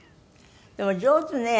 でも上手ね。